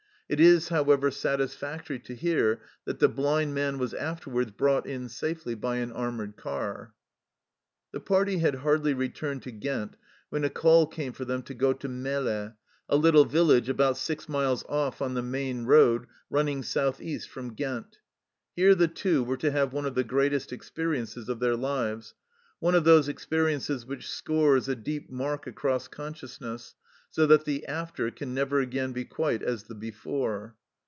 It is, however, satisfactory to hear that the blind man was after wards brought in safely by an armoured car. The party had hardly returned to Ghent when a call came for them to go to Melle, a little village about six miles off on the main road running south east from Ghent. Here the Two were to have one of the greatest experiences of their lives one of those experiences which scores a deep mark across consciousness, so that the " after " can never again be quite as the "before."